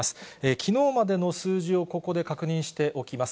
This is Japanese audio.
きのうまでの数字をここで確認しておきます。